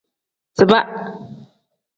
Ziba.